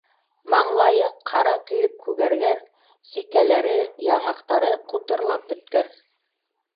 Маңлайы ҡара көйөп күгәргән, сикәләре, яңаҡтары ҡутырлап бөткән.